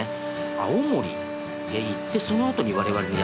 青森へ行ってそのあとに我々にやって来た。